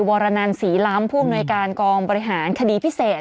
วรรณานศรีล้ำภูมิหน่วยการกองบริหารคดีพิเศษ